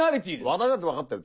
私だって分かってる。